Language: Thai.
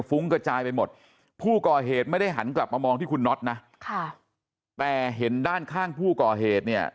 กระจายไปหมดผู้ก่อเหตุไม่ได้หันกลับมามองที่คุณน็อตนะค่ะแต่เห็นด้านข้างผู้ก่อเหตุเนี่ย